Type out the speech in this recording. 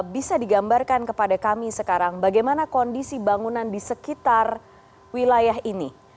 bisa digambarkan kepada kami sekarang bagaimana kondisi bangunan di sekitar wilayah ini